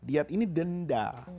diat ini denda